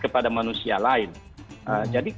sebaik baik manusia itu adalah kebaikan